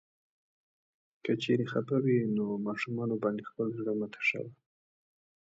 که چيرې خفه وې نو ماشومانو باندې خپل زړه مه تشوه.